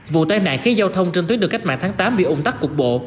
vụ tai nạn khi giao thông trên tuyết đường cách mạng tháng tám bị ủng tắc cục bộ